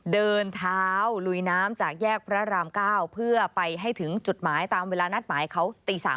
เดินเท้าลุยน้ำจากแยกพระราม๙เพื่อไปให้ถึงจุดหมายตามเวลานัดหมายเขาตี๓